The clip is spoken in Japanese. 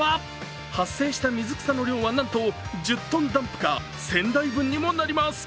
発生した水草の量はなんと１０ｔダンプカー１０００台分にもなります。